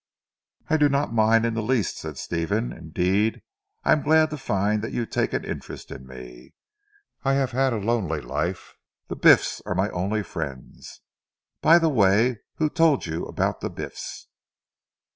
"I do not mind in the least," said Stephen, "indeed I am glad to find that you take an interest in me. I have had a lonely life. The Biffs are my only friends. By the way who told you about the Biffs?"